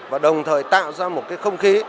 và đồng thời tạo ra một không khí